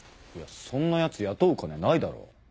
そんなやつ雇う金ないだろ。